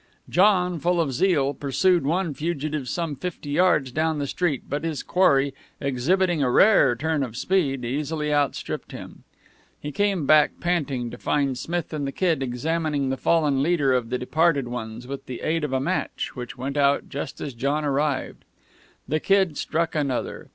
John, full of zeal, pursued one fugitive some fifty yards down the street, but his quarry, exhibiting a rare turn of speed, easily outstripped him. He came back, panting, to find Smith and the Kid examining the fallen leader of the departed ones with the aid of a match, which went out just as John arrived. The Kid struck another.